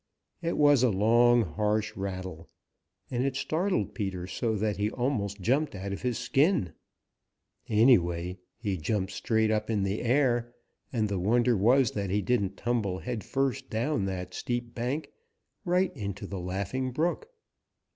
It was a long, harsh rattle, and it startled Peter so that he almost jumped out of his skin. Anyway, he jumped straight up in the air, and the wonder was that he didn't tumble headfirst down that steep bank right into the Laughing Brook.